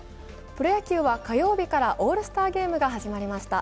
プロ野球は火曜日からオールスターゲームが始まりました。